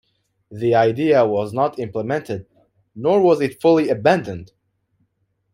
The idea was not implemented, nor was it fully abandoned.